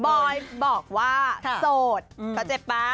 บอยบอกว่าโสดเขาเจ็บป่ะ